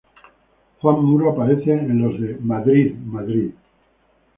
Juan Muro aparece en los de "Madrid, Madrid".